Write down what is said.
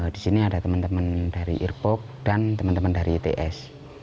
disini ada teman teman dari irpok dan teman teman dari ets